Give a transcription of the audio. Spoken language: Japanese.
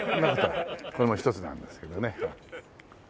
これも１つなんですけどね。